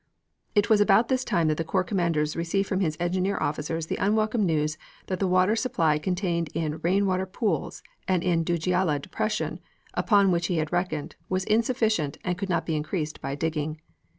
It was about this time that the Corps Commander received from his engineer officers the unwelcome news that the water supply contained in rain water pools and in Dujailah depression, upon which he had reckoned, was insufficient and could not be increased by digging.